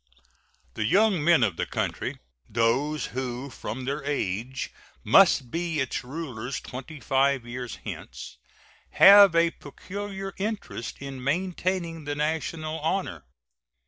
The young men of the country those who from their age must be its rulers twenty five years hence have a peculiar interest in maintaining the national honor.